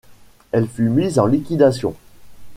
Elle fut mise en liquidation.